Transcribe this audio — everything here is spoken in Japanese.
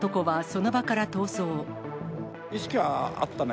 意識はあったね。